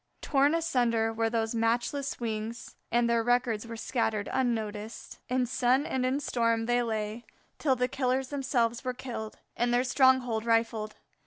Torn asunder were those matchless wings, and their records were scattered unnoticed. In sun and in storm they lay till the killers themselves were killed and their stronghold rifled.